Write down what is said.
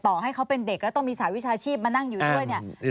ต่อให้เขาเป็นเด็กแล้วต้องมีสหวิชาชีพมานั่งอยู่ด้วยเนี่ย